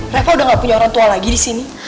reva udah gak punya orang tua lagi disini